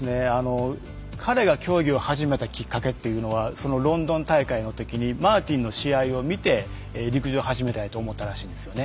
彼が競技を始めたきっかけというのはロンドン大会のときにマーティンの試合を見て陸上を始めたいと思ったらしいですよね。